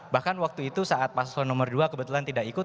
bahkan waktu itu saat paslon nomor dua kebetulan tidak ikut